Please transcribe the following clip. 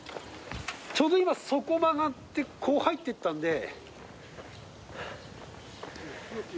ちょうど今そこ曲がってこう入ってったので。